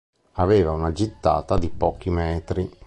Aveva una gittata di pochi metri.